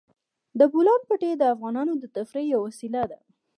د بولان پټي د افغانانو د تفریح یوه وسیله ده.